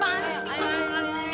deddy nggak pernah baik